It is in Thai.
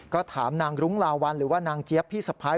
ก็ถามนางรุ้งลาวัลหรือว่านางเจี๊ยบพี่สะพ้าย